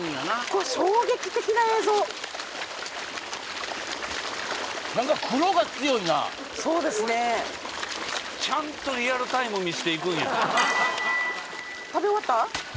これ衝撃的な映像何か黒が強いなそうですねちゃんとリアルタイム見していくんや食べ終わった？